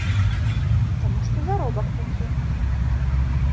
Таму што заробак такі.